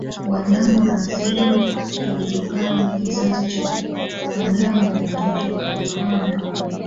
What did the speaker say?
Wanyambo wanasema tulitokana na kizazi cha Kanyambo mtoto wa Ruhanga